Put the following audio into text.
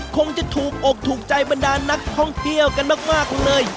คงจะถูกอกถูกใจบรรดานักท่องเที่ยวกันมากเลย